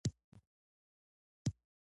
لوستې نجونې د ټولنې خبرو ته درناوی کوي.